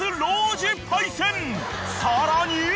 ［さらに］